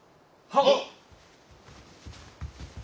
はっ。